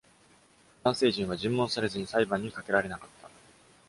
男性陣は尋問されずに、裁判にかけられなかった。